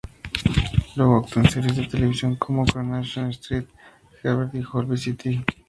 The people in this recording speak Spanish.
Luego actuó en series de televisión como "Coronation Street", "Heartbeat" y "Holby City".